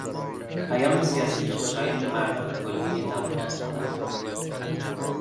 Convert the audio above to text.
پیام سیاسی که خوشایند مردم کلیهی طبقات خواهد بود